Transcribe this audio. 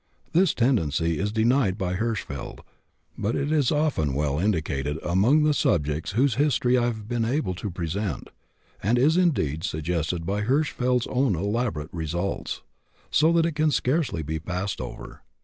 This tendency is denied by Hirschfeld, but it is often well indicated among the subjects whose histories I have been able to present, and is indeed suggested by Hirschfeld's own elaborate results; so that it can scarcely be passed over.